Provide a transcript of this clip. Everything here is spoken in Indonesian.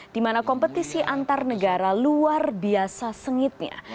di mana kompetisi antar negara luar biasa sengitnya